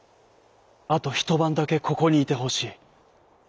あとひとばんだけここにいてほしい。